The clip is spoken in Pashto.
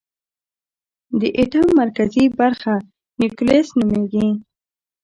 د ایټم مرکزي برخه نیوکلیس نومېږي.